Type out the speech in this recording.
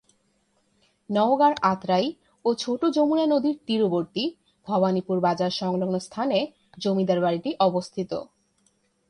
নওগাঁর আত্রাই ও ছোট যমুনা নদীর তীরবর্তী ভবানীপুর বাজার সংলগ্ন স্থানে জমিদার বাড়িটি অবস্থিত।